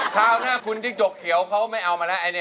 ข้างห้างคุณที่ดกเขียวเค้าไม่เอามาแล้วอันนี้